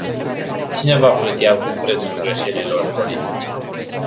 Cine va plăti acum prețul greșelilor politice?